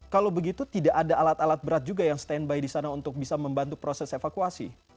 kalau begitu tidak ada alat alat berat juga yang standby di sana untuk bisa membantu proses evakuasi